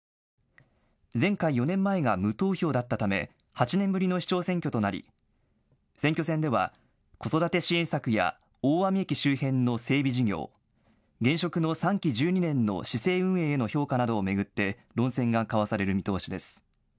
前回４年前が無投票だったため８年ぶりの市長選挙となり選挙戦では子育て支援策や大網駅周辺の整備事業、現職の３期１２年の市政運営への評価などを巡って論戦が交わされる見通しです。